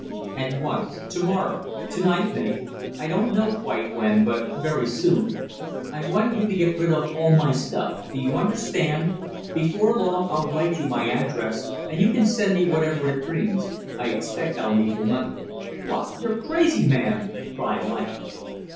"At once, to morrow to night maybe. I don't know quite when, but very soon. I want you to get rid of all my stuff, do you understand? Before long I'll write you my address and you can send me whatever it brings. I expect I'll need the money " "Why, you're crazy, man!" cried Langham.